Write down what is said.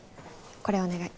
これお願い。